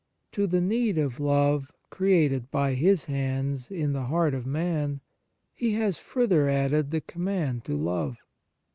To the need of love, created by His hands in the heart of man, He has further added the command to love.